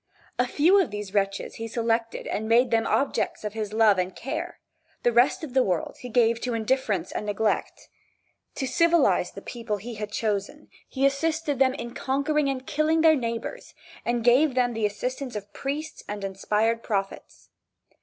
A few of these wretches he selected and made them objects of his love and care, the rest of the world he gave to indifference and neglect. To civilize the people he had chosen, he assisted them in conquering and killing their neighbors, and gave them the assistance of priests and inspired prophets.